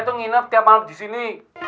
itu nginep tiap malam disini